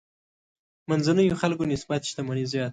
منځنيو خلکو نسبت شتمني زیاته وي.